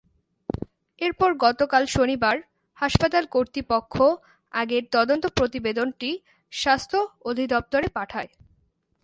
এরপর গতকাল শনিবার হাসপাতাল কর্তৃপক্ষ আগের তদন্ত প্রতিবেদনটি স্বাস্থ্য অধিদপ্তরে পাঠায়।